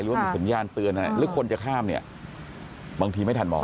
ว่ามีสัญญาณเตือนอะไรหรือคนจะข้ามเนี่ยบางทีไม่ทันมอง